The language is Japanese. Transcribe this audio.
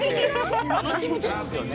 あのキムチっすよね？